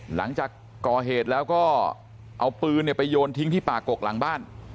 หลังจากก่อเหตุแล้วก็เอาปืนไปโยนทิ้งที่ป่ากกหลังบ้าน